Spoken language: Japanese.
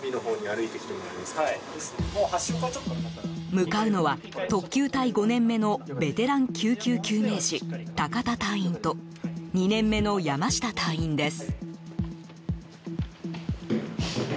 向かうのは、特救隊５年目のベテラン救急救命士高田隊員と２年目の山下隊員です。